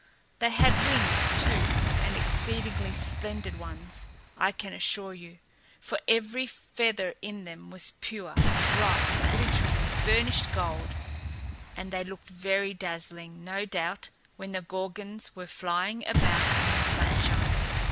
They had wings, too, and exceedingly splendid ones, I can assure you, for every feather in them was pure, bright, glittering, burnished gold; and they looked very dazzling, no doubt, when the Gorgons were flying about in the sunshine.